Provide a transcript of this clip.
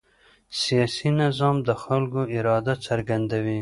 سیاسي نظام د خلکو اراده څرګندوي